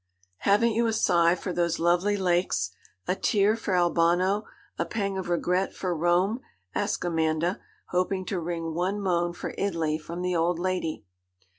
'Haven't you a sigh for those lovely lakes, a tear for Albano, a pang of regret for Rome?' asked Amanda, hoping to wring one moan for Italy from the old lady.